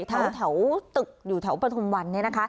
แถวตึกอยู่แถวปฐุมวันเนี่ยนะคะ